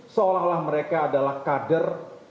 seolah olah mereka adalah kader